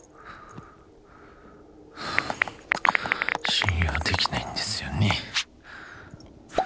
信用できないんですよね！